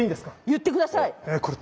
言ってください！